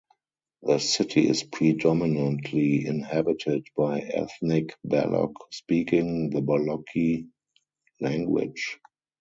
The city is predominantly inhabited by ethnic Baloch speaking the Balochi language.